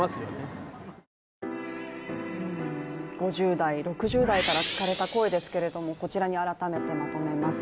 ５０代、６０代から聞かれた声ですけどもこちらに改めてまとめます。